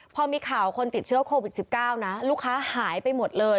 พอมีข่าวคนติดเชื้อโควิด๑๙นะลูกค้าหายไปหมดเลย